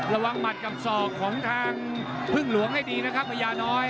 หมัดกับศอกของทางพึ่งหลวงให้ดีนะครับพญาน้อย